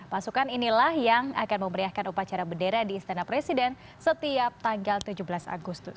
pasukan inilah yang akan memeriahkan upacara bendera di istana presiden setiap tanggal tujuh belas agustus